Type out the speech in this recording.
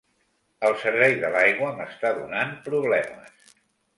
El servei de l'aigua m'està donant problemes.